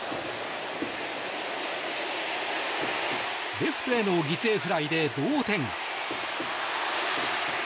レフトへの犠牲フライで同点。